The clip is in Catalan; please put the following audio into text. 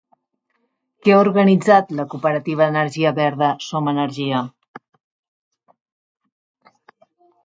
Què ha organitzat la cooperativa d'energia verda Som Energia?